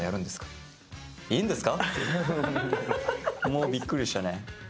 もうびっくりでしたね。